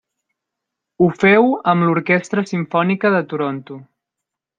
Ho féu amb l'Orquestra Simfònica de Toronto.